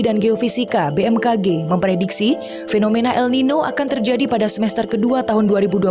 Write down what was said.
geofisika bmkg memprediksi fenomena el nino akan terjadi pada semester kedua tahun dua ribu dua puluh satu